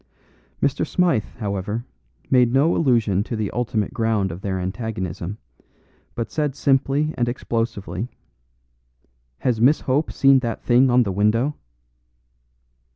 Mr. Smythe, however, made no allusion to the ultimate ground of their antagonism, but said simply and explosively, "Has Miss Hope seen that thing on the window?"